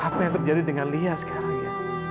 apa yang terjadi dengan lia sekarang ya